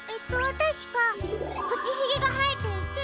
たしかくちひげがはえていて。